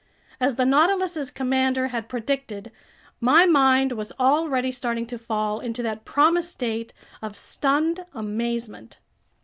As the Nautilus's commander had predicted, my mind was already starting to fall into that promised state of stunned amazement.